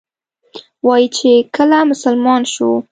وایي چې کله مسلمان شو.